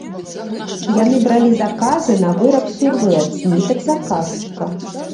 Яны бралі заказы на выраб сурвэт з нітак заказчыка.